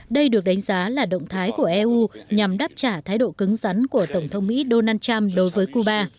đây được đánh giá là động thái của eu nhằm đáp trả thái độ cứng rắn của tổng thống mỹ donald trump đối với cuba